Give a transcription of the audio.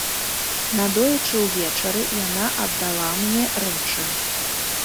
Надоечы ўвечары яна аддала мне рэчы.